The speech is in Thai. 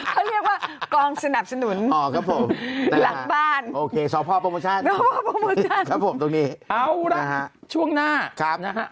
ตรงนี้เอาล่ะง่ายฮะช่วงหน้าครับนะฮะ